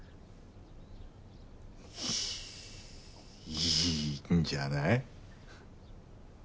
いいんじゃない？